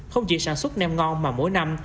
không chỉ sản xuất nem ngon mà mỗi năm